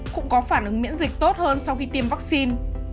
cũng có phản ứng miễn dịch tốt hơn sau khi tiêm vắc xin